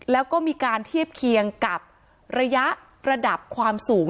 แล้วก็มีการเทียบเคียงกับระยะระดับความสูง